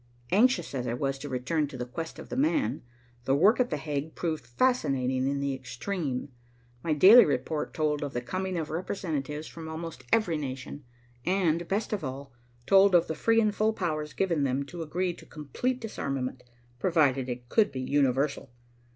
Anxious as I was to return to the quest of "the man," the work at The Hague proved fascinating in the extreme. My daily report told of the coming of representatives from almost every nation, and, best of all, told of the free and full powers given them to agree to complete disarmament, provided it could be universal.